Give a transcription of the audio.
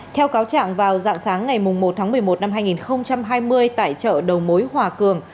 theo cáo trạng vào dạng sáng ngày một tháng một mươi một năm hai nghìn hai mươi tại chợ đầu mối hòa cường